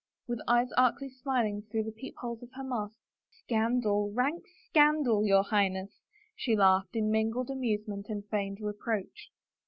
With eyes archly smiling through the peepholes of her mask, " Scandal, rank scandal, your Highness," she laughed in mingled amusement and feigned reproach.